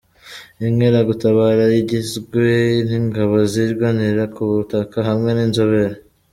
Inkeragutabara zigizwe n’Ingabo Zirwanira ku Butaka hamwe n’inzobere.